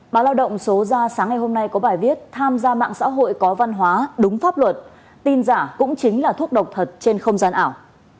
báo lao động số ra sáng ngày hôm nay có bài viết tham gia mạng xã hội có văn hóa đúng pháp luật tin giả cũng chính là thuốc độc thật trên không gian ảo